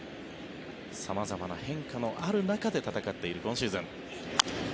様々な変化のある中で戦っている今シーズン。